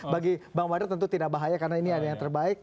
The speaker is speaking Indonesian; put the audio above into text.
bagi bang badar tentu tidak bahaya karena ini ada yang terbaik